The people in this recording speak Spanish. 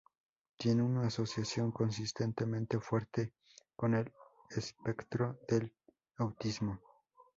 Tiene una asociación consistentemente fuerte con el espectro del autismo.